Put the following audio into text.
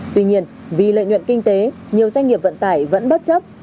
tuy nhiên vì lợi nhuận kinh tế nhiều doanh nghiệp vận tải vẫn bất chấp